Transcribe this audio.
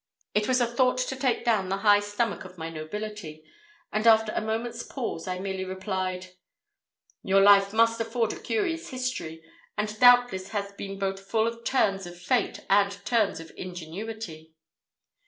It was a thought to take down the high stomach of my nobility, and after a moment's pause, I merely replied, "Your life must afford a curious history, and doubtless has been full both of turns of fate and turns of ingenuity."